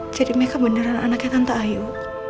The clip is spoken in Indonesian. jadi mereka beneran anaknya tante ayu